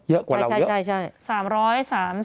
เยอะกว่าเราเยอะ